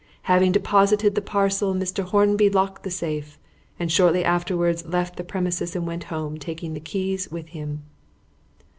Having deposited the parcel, Mr. Hornby locked the safe, and shortly afterwards left the premises and went home, taking the keys with him.